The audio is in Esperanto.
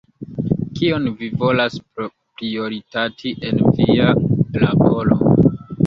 Kion vi volas prioritati en via laboro?